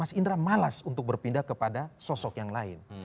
mas indra malas untuk berpindah kepada sosok yang lain